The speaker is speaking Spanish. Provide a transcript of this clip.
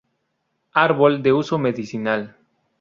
Árbol de uso medicinal.